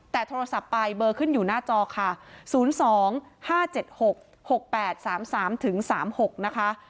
แต่โทรศัพท์ไปเบอร์ขึ้นอยู่หน้าจอค่ะ๐๒๕๗๖๖๘๓๓๖นะคะ